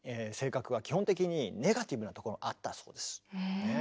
性格が基本的にネガティブなとこがあったそうです。